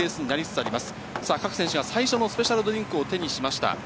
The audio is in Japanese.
さあ、各選手が最初のスペシャルドリンクを手にしました。